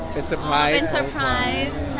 เป็นแกเตะของขวัญ